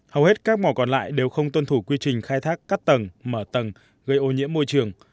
hầu hết các mỏ còn lại đều không tuân thủ quy trình khai thác cắt tầng mở tầng gây ô nhiễm môi trường